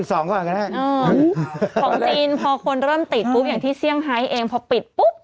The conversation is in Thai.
ก็ได้ของจีนพอคนเริ่มติดปุ๊บอย่างที่เซี่ยงไฮเองพอปิดปุ๊บ